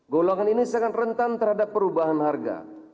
golongan ini sangat rentan terhadap perubahan harga